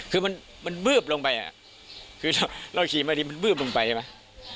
คือมันมันเบื้บลงไปอ่ะคือเราขี่มาดีมันเบื้บลงไปใช่ไหม